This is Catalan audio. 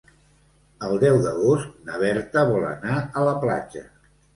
El deu d'agost na Berta vol anar a la platja.